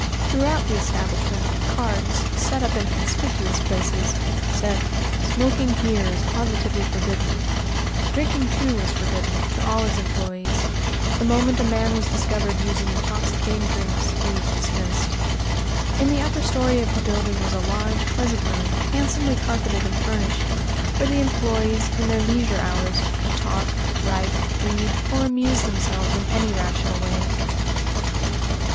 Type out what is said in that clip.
Throughout the establishment cards, set up in conspicuous places, said, "Smoking here is positively forbidden." Drinking, too, was forbidden to all his employés. The moment a man was discovered using intoxicating drinks, he was dismissed. In the upper story of the building was a large, pleasant room, handsomely carpeted and furnished, where the employés, in their leisure hours, could talk, write, read, or amuse themselves in any rational way.